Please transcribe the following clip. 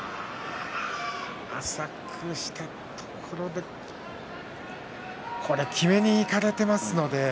浅くしたところできめにいかれていますので。